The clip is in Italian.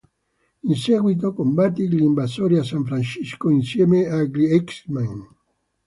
In seguito, combatte gli invasori a San Francisco insieme agli X-Men.